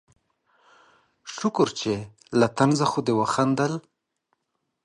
شکر چې له طنزه خو دې وخندل